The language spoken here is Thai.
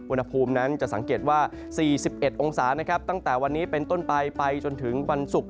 อุณหภูมินั้นจะสังเกตว่า๔๑องศานะครับตั้งแต่วันนี้เป็นต้นไปไปจนถึงวันศุกร์